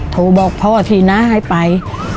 โทรบอกพ่อทีน้าให้ไป